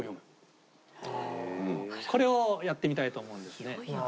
これをやってみたいと思うんですね。